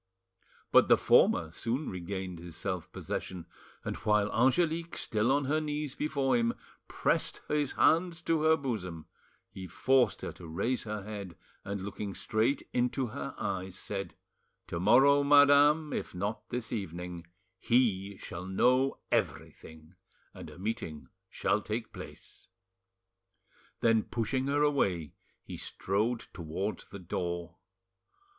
But the former soon regained his self possession, and while Angelique, still on her knees before him, pressed his hands to her bosom, he forced her to raise her head, and looking straight into her eyes, said— "To morrow, madame, if not this evening, he shall know everything, and a meeting shall take place." Then pushing her away, he strode towards the door.